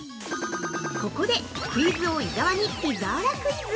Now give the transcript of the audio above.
◆ここで、クイズ王・伊沢にピザーラクイズ。